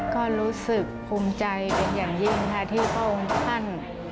ก็รู้สึกภูมิใจอย่างยิ่งที่พ่อองค์พรรณ